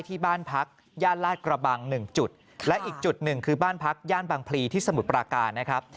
ที่บ้านพักย่านลาดกระบังหนึ่งจุดและอีกจุดหนึ่งคือบ้านพักย่านบางพลีที่สมุทรปราการนะครับ